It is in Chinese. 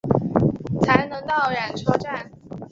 才能到缆车站